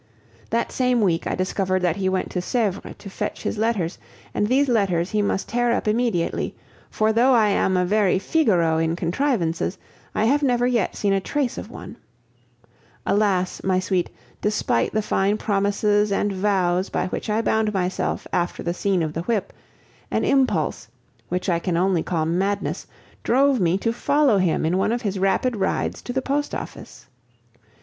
That same week I discovered that he went to Sevres to fetch his letters, and these letters he must tear up immediately; for though I am a very Figaro in contrivances, I have never yet seen a trace of one. Alas! my sweet, despite the fine promises and vows by which I bound myself after the scene of the whip, an impulse, which I can only call madness, drove me to follow him in one of his rapid rides to the post office.